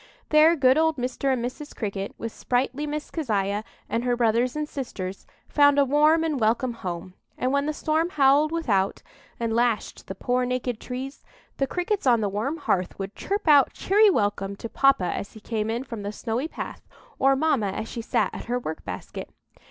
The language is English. There good old Mr. and Mrs. Cricket, with sprightly Miss Keziah and her brothers and sisters, found a warm and welcome home; and when the storm howled without, and lashed the poor naked trees, the Crickets on the warm hearth would chirp out cheery welcome to papa as he came in from the snowy path, or mamma as she sat at her work basket.